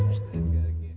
masa besok di kampus ya